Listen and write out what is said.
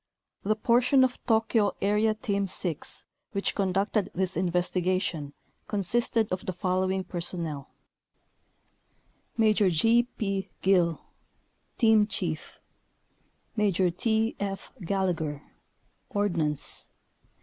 The portion of Tokyo Area Team 6 which 67 conducted this investigation consisted of the following personnel : Maj. G. P. Guill Team chief. Maj. T. F. Gallagher Ordnance.